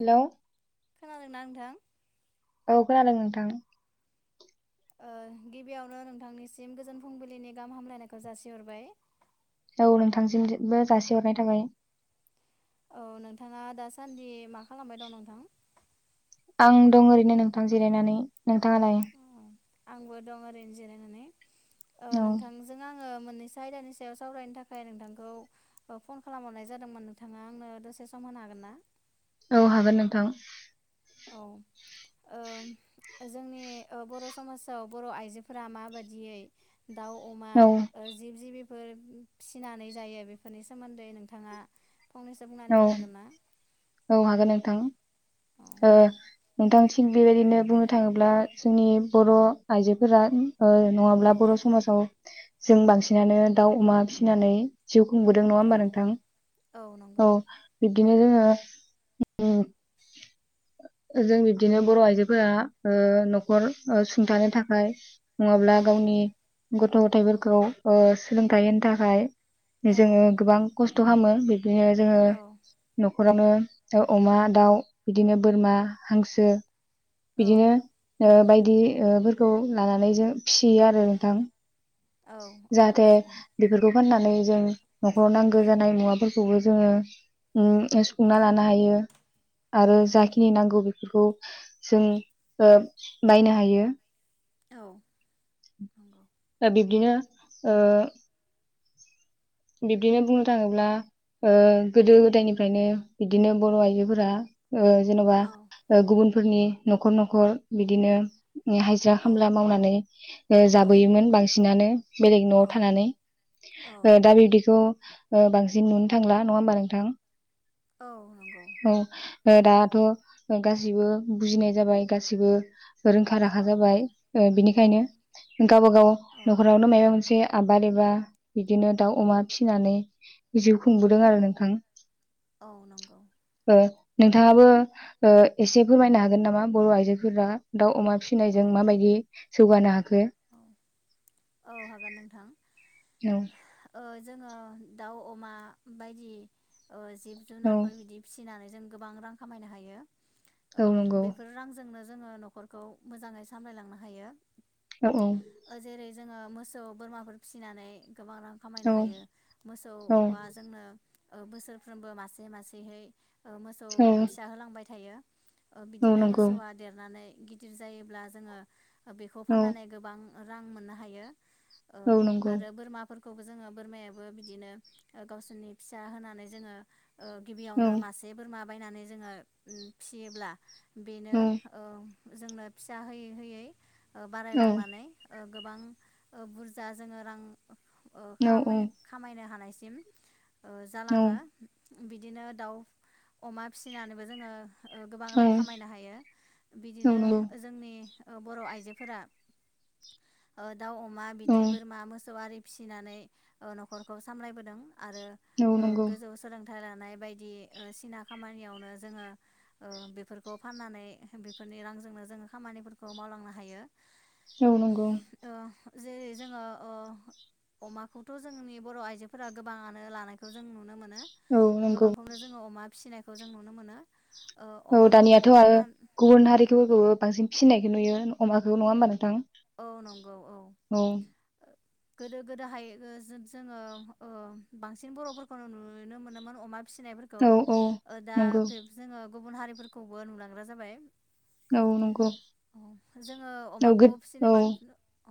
Hello खोनादोंना नोंथां औ खोनादों नोंथां ओ गिबियावनो नोंथांनिसिम गोजोन फुंबिलिनि गाहाम हामलायनायखौ जासिहरबाय औ नोंथांसिमबो जासिहरनाय थाबाय औ नोंथाङा दासान्दि मा खालामबाय दं नोंथां आं दं ओरैनो नोंथां जिरायनानै नोंथाङालाय औ आंबो दं ओरैनो जिरायनानै ओ औ नोंथांजों आं ओ मोननैसो आयदानि सायाव सावरायनो थाखाय नोंथांखौ ओ फन खालामहरनाय जादोंमोन नोंथाङा आंनो दसे सम होनो हागोन ना? औ हागोन नोंथां औ ओम जोंनि ओ बर' समाजाव बर' आइजोफोरा माबादियै दाउ अमा औ ओ जिब जिबि फोर फिसिनानै जायो बेफोरनि सोमोन्दै नोंथाङा फंनैसो बुंनानै औ होनो हागोन ना औ हागोन नोंथां औ ओ नोंथां थिग बेबायदिनो बुंनो थाङोब्ला जोंनि बर' आइजोफोरा‌ ओ नङाब्ला औ बर' समाजाव जों बांसिनानो दाउ अमा फिसिनानै जिउ खुंबोदों नङा होमबा औ नोंथां औ बि बिदिनो जोङो ओ जों बिबदिनो बर' आइजोफोरा ओ न'खर ओ सुंथानो थाखाय नुङाब्ला औ गावनि गथ' गथायाइफोरखौ ‌ओ सोलोंथाइ होनो थाखाय जोङो औ गोबां खस्थ' खालामो बे बिदिनो जोङो औ न'खरावनो अमा दाउ बिदिनो बोरमा हांसो औ बिदिनो ओ बायदि ओफोरखौ लानानै जों फिसियो आरो नोंथां। औ औ जाहाथे फिसियो बेफोरखौ फोननानै जों न'खराव नांगो जानाय मुवाफोरखौबो जोङो उम सुफुंना लानो हायो। आरो औ जाखिनि नांगौ बे फोरखौ जों ओ बायनो हायो। औ नंगौ दा बिब्दिनो ओ बिब्दिनो बुंनो थाङोब्ला ओ गोदो गोदायनिफ्रायनो बिदिनो बर' आइजोफोरा ओ जेन'बा औ ओ गुबुन फोरनि न'खर न'खर बिदिनो नि हायजिरा औ खामला मावनानै ओ औ जाबोयोमोन बांसिनानो बेलेगनि न'आव औ थानानै औ ओ दा बे खौ ओ बांसिन नुनो थांला नङा होमबा नोंथां? औ नंगौ औ ओ दाथ' ओ गासिबो बुजिनाय जाबाय गासिबो रोंखा औ राखा जाबाय ओ औ बिनिखायनो गाबागाव औ न'खरावनो माबा मोनसे आबार एबा बिदिनो दाउ, अमा फिसिनानानै जिउ खुंबोदों आरो नोंथां। औ नंगौ ओ नोंथाङाबो ओ एसे फोरमायनो हागोन नामा बर' आइजोफोरा दाउ, अमा औ फिसिनायजों माबायदि जौगानो हाखो। औ औ हागोन नोंथां। औ ओ जोङो दाउ, अमा बायदि ओ औ जिब-जुनारफोर बिदि फिसिनानै जों गोबां रां खामायनो हायो। औ बेफोर रांजोंनो जोङो न'खरखौ मोजाङै सामलायलांनो हायो। औ औ जेरै जोङो मोसौ बोरमाफोर फिसिनानै गोबां रां औ खामायनो हायो औ मोसौआ जोंनो ओ बोसोरफ्रोमबो मासे मासेहै ओ मोसौ औ फिसा होलांबाय था थायो। ओ औ बिदिनो नंगौ मोसौआ देरनानै गिदिर जायोब्ला जोङो बेखौ औ फाननानै गोबां रां मोनना औ आरो बोरमाफोर खौबो जोङो बोरमायाबो बिदिनो गावसोरनि फिसा होनानै जोङो अ औ गिबियावनो मासे बोरमा बायनानै जोङो उ फिसियोब्ला बेनो औ ओ जोंनो फिसा होयै होयै ओ बारायलांनानै ओ गोबां ओ बुरजा जोङो रां ओ खामायनो खामायनो हानाय सिम ओ औ जालाङो बिदिनो दाउ अमा फिसिनानैबो जोङो ओ गोबां रां औ खामायनो हायो औ बिदिनो नंगौ जोंनि बर' आइजोफोरा ओ दाउ अमा औ बिदि बोरमा मोसौ आरि फिसिनानै ओ न'खरखौ सामलायबोदों। आरो औ ओ नंगौ गोजौ सोलोंथ [unintelligible] लानाय बायदि ओ सिना खामानियावनो जोङो बेफोरखौ फाननानै बेफोरनि रांजोंनो जोङो खामानिफोरखौ मावलांनो हायो। औ नंगौ। ओ जेरै जोङो ओ अमाखौथ' जोंनि बर' आइजोफोरा गोबाङानो लानायखौ जों नुनो मो नो औ नंगौ गोबांखौनो जोंङो अमा फिसिनाय खौ जों नुनो मोनो। ओ औ अमाखौ दानियाथ' आरो फानना गुबुन औ हारिफोरखौबो बांसिन फिसिनायखौ नुयो। अमाखौ नङा होमबा नोंथां? औ नंगौ औ। गोदो गोदोहाय ओ जो-जोङो ओ बांसिन बर'फोरखौ नुनो मोनोमोन अमा फिसिनायफोरखौ औ औ ओ दा नंगौ बे जोङो गुबुन हारिफोरखौबो नुलांग्रा जाबाय। औ नंगौ औ गो जेनेबा अ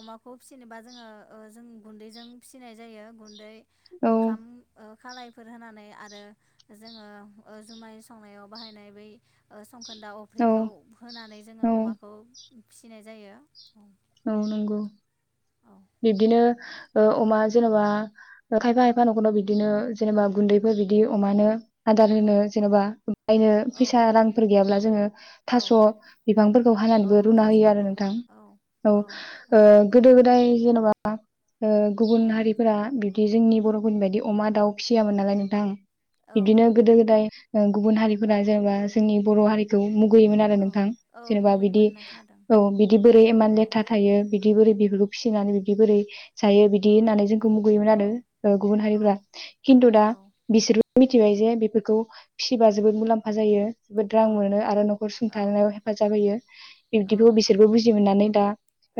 अमाखौ फिसिनोबा जोङो ओ जों गुन्दैजों फिसिनाय जायो गुन्दै औ ओंखाम ओ खालायफोर होनानै आरो जोङो ओ जुमाय संनायाव बाहायनाय बै ओ सं खोनदा औ अफ्रिखौ होनानै जोंङो औ अमाखौ फिसिनाय जायो औ नंगौ बिबदिनो ओ अमा जेनेबा खायफा खायफा न'खराव बिदिनो जेनेबा गुन्दैफोर बिदि अमानो आदार औ होनो जेनेबा बायनो औ फैसा रांफोर गैयाब्ला जोङो औ थास' बिफांफोरखौ औ हानानैबो रुना थास' होयो आरो बिफां नोंथां औ औ ओ गोदो गोदाय जेन'बा ओ गुबुन औ हारिफोरा बिब बिदि जोंनि बर'फोरनि बायदि अमा दाउ फिसियामोन नालाय नोंथां औ बिदिनो नंगौ गोदो गोदाय उम गुबुन हारिफोरा जेनेबा जोंनि बर' हारिखौ मु गैमोन आरो औ नोंथां औ जेनेबा बिदि मुगैमोन होनना खोनादों औ बिदि बोरै मान औ था थायो बिदि बोरै बि बेखौ फिसिनानानै बिबदि बोरै जायो बिदि औ होननानै जोंखौ मुगैयोमोन औ आरो गुबुन औ हारिफ्रा खिन्थु दा औ बिसोरबो मिथिबाय जे बेफोरखौ फिसिबा जोबोद मुलाम्फा जायो जोबोद औ रां मोनो आरो न'खर सुंथानायाव हेफाजाब होयो औ बिब्दिखौ बिसोरबो बुजि मोननानै दा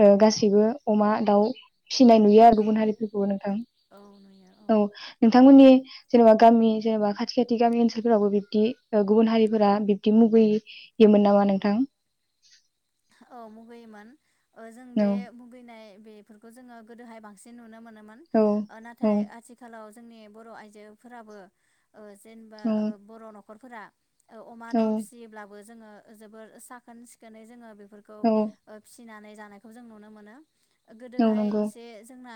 बेयाव गासैबो अमा दाउ फिसिनाय नुयो औ गुबुन हारिफोरखौबो नोंथां औ नुयो औ नोंथांमोननि जेनेबा गामि जेनेबा खाथि खाथि गामि ओनसोलफोरावबो बिब्दि गुबुन हारिफोरा बिबदि मुगैयोमोन नामा नोंथां औ मुगैयोमोन जों औ बे मुगैनाय बेफोरखौ जोङो गोदोहाय बांसिन नुनो मोनो मोन औ ओ औ नाथाय आथिखालाव जोंनि बर' आइजोफोराबो ओ जेनेबा औ ओ बर' न' खरफोरा अमा औ दाउ फिसियोब्ला जोङो जोबोर साखोन सिखोनै जोङो बि फोरखौ औ फिसिनानै जानायखौ जों नुनो मोनो औ गोदोहाय नंगौ एसे जोंना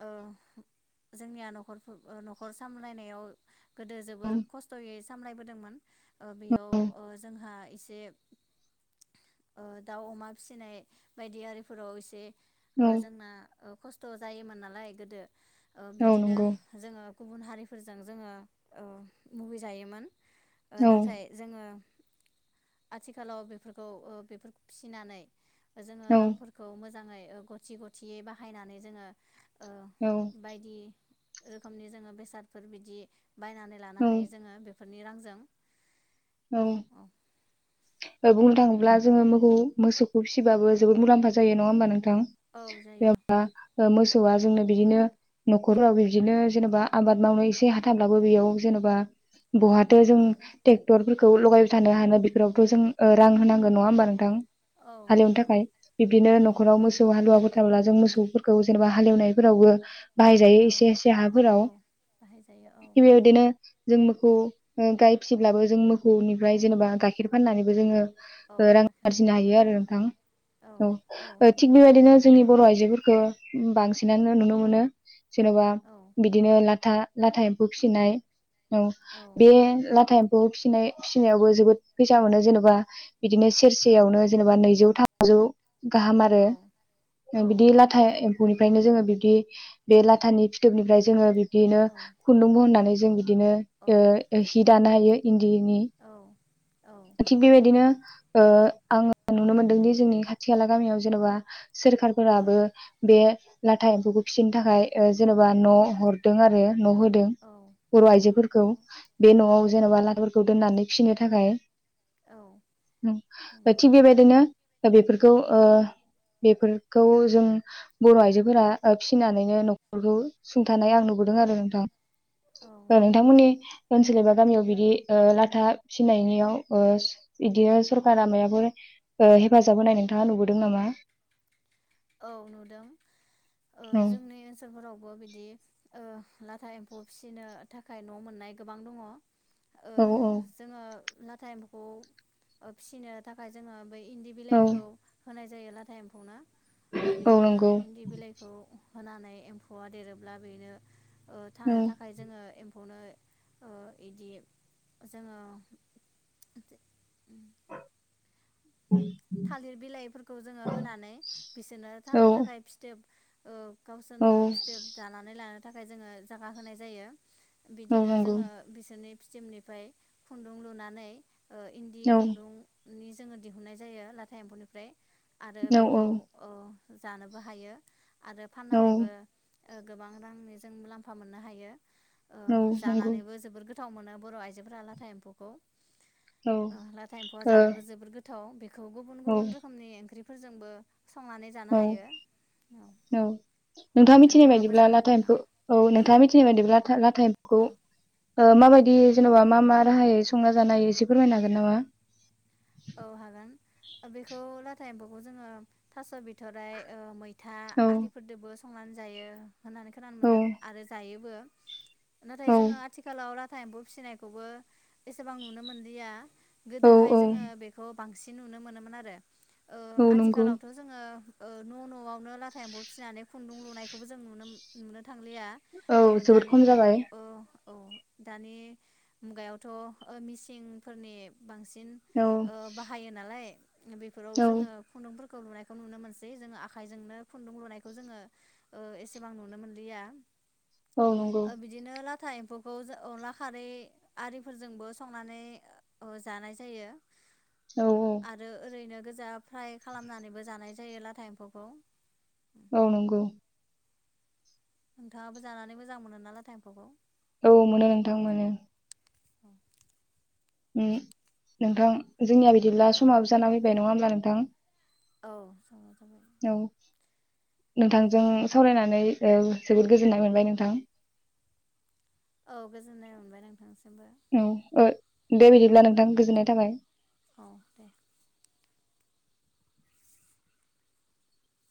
ओ जोंनिया न'खरफोर न'खर सामलायनायाव गोदो औ जोबोर खस्थ'यै सामलायबोदोंमोन ओ बेयाव औ ओ जोंहा जे ओ दाउ अमा फिसिनाय बायदि आरिफोराव एसे औ ओ जोंना खस्थ जायोमोन नालाय गोदो ओ औ बिदिनो नंगौ जोङो गुबुन हारिफोरजों जोङो ओ मुगै जायोमोन। ओ औ नाथाय जोङो आथिखालाव बेफोरखौ ओ बेफोरखौ फिसिनानै जोङो औ रांफोरखौ मोजां मोजाङै गथि गथियै बाहायनानै जोङो औ ओह बायदि रोखोमनि जोङो बेसादफोर बिदि बायनानै लानो हायो औ जोङो बे फोरनि रांजों औ बुंनो थाङोब्ला जोङो मोसौ मोसौखौ फिसिबाबो जोबोद मुलाम्फा जायो नङा होमबा नों नोंथां औ जायो जेनेबा ओ मोसौ मोसौआ जोंनो बिदिनो नखराव बिदिनो जेनेबा आबाद मावनो एसे हाथाब्लाबो बेयाव जेनेबा बहाथो जों ट्रेग- ट्रेक्टरफोरखौ लगायबाय थानो हानो बेफोरावथ जों रां होनांगौ नङा होमबा नोंथां? औ हालेवनो नंगौ थाखाय बिब्दिनो औ नखराव मोसौ नंगौ हालुवाफोर थाब्ला जों मोसौ ओ जेनेबा हालेवनायफोरावबो बाहायजायो औ एसे एसे औ हाफोराव बाहायजायो औ बेबायदिनो जों मोखौ गाय फिब्लाबो जोंङो मोख खौ औ निफ्राय जेनेबा गाइखेर फाननानै बो जोङो औ रां गाइखेर आरजिनो मोनो हायो आरो नोंथां औ ओ थिग बेबायदिनो जोंनि बर आइजोफोरख खौ बांसिनानो नुनो मोनो जेनबा औ बिदिनो लाथा लाथा एम्फौ फिनाय औ बे लाथा एम ब फिनाय फिनायावबो जोबोद फैसा मोनो जेन'बा बिदिनो औ सेरसेयावनो जेनेबा नैजौ थाम बाजौ। गाहाम आरो औ औ बिदि लाथा नंगौ एम्फौनिफ्रायनो जोङो बिब्दि बे लाथानि फिथोबनिफ्राय जोङो बिदिनो औ खुन्दुंग बहननानै जों बि बिदिनो औ ओ हि दानो हायो। इन्दिनि औ थिग बेबायदिनो ओ आङो नुनो मोनदों दि जोंनि खाथि खाला गामियाव जेन'बा सोरखारफोराबो बे लाथा एम्फौखौ फिसिनो थाखाय ओ जेनेबा न' औ हरदों आरो न' होदों औ बर' औ आइजोफोरखौ न बे औ न'आव जेनेबा ला दोननानै फिनो थाखाय। औ नंगौ थिग बेबायदिनो बेफोरखौ ओ बेफोरखौ जों बर' आइजोफोरा ओ फिनानैनो न'खरखौ सुं थानाय आं नुबोदों औ आरो नोंथां औ ओ नंगौ नोंथांमोननि ओनसोल एबा गामियाव बिदि ओ लाथा फिनायनियाव ओ इदिनो सरकारा मायफोर ओ हेफाजाब होनाय नोंथाङा नुबोदों नामा? औ नुदों ओ औ जोंनि ओनसोलफोरावबो बिदि ओ लाथा एम्फौ फिसिनो थाखाय न' मोननाय गोबां दङ। ओ औ जोङो लाथा एम्फौखौ ओ फिसिनो थाखाय जोङो बै इन्दि औ बिलाइखौ होनाय जा जायो लाटा एम्फौना। औ बिदिनो नंगौ इन्दि बिलाइखौ होनानै एम्फौआ देरोब्ला बेनो औ थानो थाखाय जोङो एम खौनो ओ इदि जोङो थालिर बिलाइफोरखौ जोङो होनानै बिसोरनो औ थानो थाखाय फिथोब ओ औ गावसोरनो फिथोब जानानै ला नो थाखाय जोङो जागा होनाय जायो। औ बिदिनो नंगौ जोङो बिसोरनि फिथोबनिफ्राय खुन्दुं लुनानै ओ इन्दि औ खुन्दुं नि जोङो दिहुननाय जायो लाथा एम्फौनिफ्राय आरो औ औ बेखौ ओ जानोबो हायो आरो औ फाननानैबो गोबां रांनि जों मुलाम्फा मोननो हायो। ओ नंगौ जानानैबो जबोद गो थाव मोनो बर आइजोफोरा लाथा एम्फौखौ औ अ ओ लाथा एमफौआ जानोबो जबोद गो थाव गुबुन औ गुबुन रोखोमनि ओंख्रि फोरजोंबो औ औ नोंथाङा मिथिनाय नोंथाङाबो बायदिब्ला जानो लाथा औ एमफौखौ औ नोंथाङा मिथि नाय बादिब्ला लाथा एमफौखौ औ माबाय दि जेनबा मा मा राहायै संना जानो हायो एसे फोरमायनो हागोन नामा? औ हागोन बेखौ लाथा एम्फौखौ जोङो थास बिथराय मै था औ आरिफोरजोंबो संनानै जायो होननानै खोनानो औ मोन्दों आरो जायोबो नाथाय औ जोङो आथिखालाव लाथा एम्फौ फिसिनायखौबो एसेबां नुनो मोनलिया औ गोदोहाय औ जोङो ओ बांसिन नुनो मोनोमोन आरो ओ औ नंगौ आथिखालावथ' जोङो ओ न' न'आवनो लाथा एम्फौ फिसिनानै खुन्दुं लुनायखौबो जों नु-नुनो थांलिया औ ओ जोबोद दानि खम जाबाय ओ औ दानि मुगायावथ' ओ मिसिंफोरनि बांसिन औ ओ बाहायो नालाय बेफोराव औ जोङो खुन्दुंफोर खौ लुनायखौ नुनो मोनसै जोङो आखाइजोंनो खुन्दुं लुनायखौ जोङो एसेबां नुनो मोनलिया औ नंगौ ओ बिदिनो ला था एम्फौखौ जो अनला खारै आरिफोरजोंबो संनानै ओ जानाय जायो। औ आरो ओरैनो गोजा फ्राय खालामनानैबो जानाय जायो लाथा एम्फौखौ। औ नंगौ नोंथाङाबो जानानै मोजां मोनो ना लाथा एमफौखौ? औ मोनो नोंथां मोनो। [inaudible] ओम नोंथां जोंनिया बिदिब्ला औ समाबो जा फैबाय नङा हो नबा नोंथां औ समा जाबाय औ नोंथांजों सावरायनानै ओ जोबोद गोजोननाय मोनबाय नोंथां। औ गोजोननाय मोनबाय नोंथांनि औ ओ दे बिदिब्ला नोंथां गोजोननाय थाबाय। औ दे